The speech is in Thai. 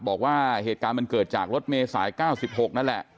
บอกว่าเหตุการณ์มันเกิดจากรถเมษาย๙๖นั่นแหละ